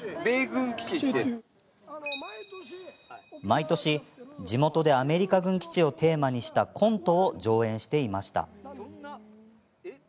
毎年、地元でアメリカ軍基地をテーマにしたコントを上演していました。